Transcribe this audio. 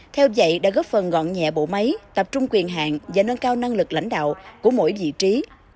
theo vậy đã góp phần ngọn nhẹ bộ máy tập trung quyền hạng và nâng cao năng lực lãnh đạo của mỗi vị trí